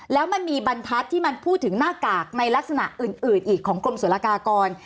แล้วมันมีบรรทัศน์ที่มันพูดถึงหน้ากากในลักษณะอื่นอีกของกรมศุลกากร